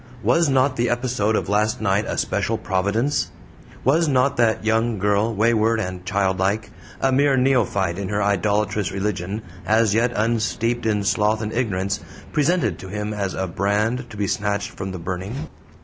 Was not the episode of last night a special providence? Was not that young girl, wayward and childlike, a mere neophyte in her idolatrous religion, as yet unsteeped in sloth and ignorance, presented to him as a brand to be snatched from the burning?